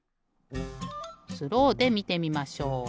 スローでみてみましょう。